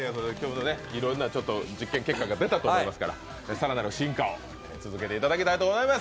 いろんな実験結果が出たと思いますから、更なる進化を続けていただきたいと思います。